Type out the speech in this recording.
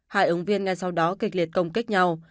hai ứng viên ngay sau đó kịch liệt công kích nhau